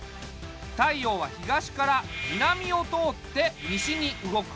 太陽は東から南を通って西に動く。